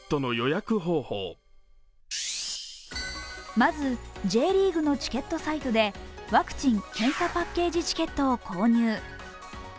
まず、Ｊリーグのチケットサイトでワクチン・検査パッケージチケットを購入。